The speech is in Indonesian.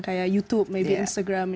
kayak youtube instagram